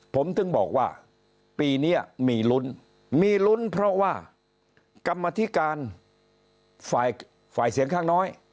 ผมถึงบอกว่าปีนี้มีลุ้นมีลุ้นเพราะว่ากรรมธิการฝ่ายเสียงข้างน้อย